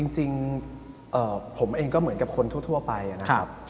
จริงผมเองก็เหมือนกับคนทั่วไปนะครับ